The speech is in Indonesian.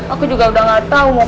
aku juga udah gak tahu mau kemana